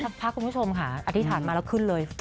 พักคุณผู้ชมค่ะอธิษฐานมาแล้วขึ้นเลย